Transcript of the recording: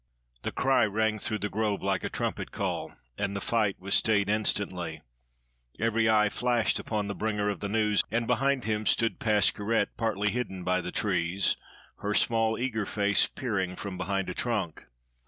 The cry rang through the Grove like a trumpet call, and the fight was stayed instantly. Every eye flashed upon the bringer of the news, and behind him stood Pascherette, partly hidden by the trees, her small, eager face peering from behind a trunk.